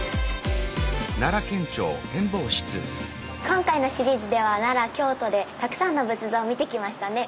今回のシリーズでは奈良・京都でたくさんの仏像を見てきましたね。